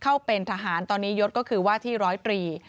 เข้าเป็นทหารตอนนี้ยศก็คือว่าที่ร้อยตรี